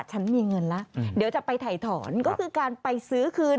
ฉันมีเงินแล้วเดี๋ยวจะไปถ่ายถอนก็คือการไปซื้อคืน